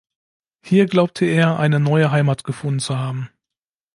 Hier glaubte er, eine neue Heimat gefunden zu haben.